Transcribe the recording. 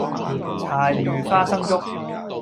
柴魚花生粥